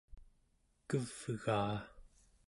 kevgaa